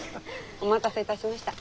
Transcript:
お待たせいたしました。